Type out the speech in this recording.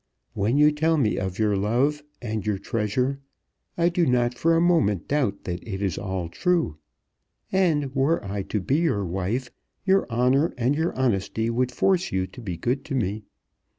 When you tell me of your love and your treasure I do not for a moment doubt that it is all true. And were I to be your wife, your honour and your honesty would force you to be good to me.